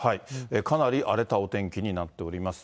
かなり荒れたお天気になっております。